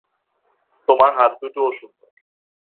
তোমার হাতদুটোও সুন্দর।